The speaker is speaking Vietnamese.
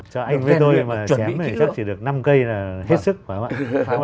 cho anh với tôi mà chém thì chắc chỉ được năm cây là hết sức phải không ạ